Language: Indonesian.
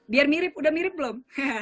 biar mirip udah mirip belum